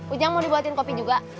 ujang mau dibuatin kopi juga